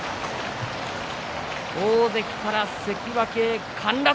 大関から関脇へ陥落。